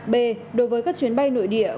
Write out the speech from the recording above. b đối với các chuyến bay nội địa